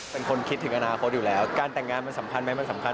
เป็นคนคิดถึงอนาคตอยู่แล้วการแต่งงานมันสำคัญมั้ย